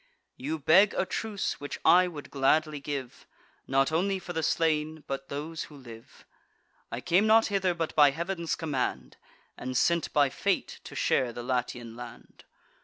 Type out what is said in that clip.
You beg a truce, which I would gladly give, Not only for the slain, but those who live. I came not hither but by Heav'n's command, And sent by fate to share the Latian land.